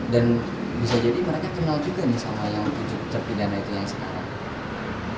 dan bisa jadi mereka kenal juga nih sama yang tujuh terpidana itu yang sekarang